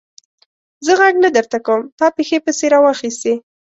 زه ږغ نه درته کوم؛ تا پښې پسې را واخيستې.